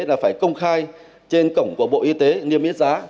là phải công khai trên cổng của bộ y tế niêm yết giá